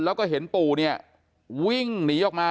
แล้วก็เห็นปู่เนี่ยวิ่งหนีออกมา